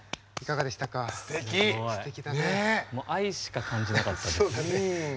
もう愛しか感じなかったです。